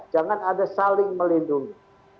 jangan ada saling melindungi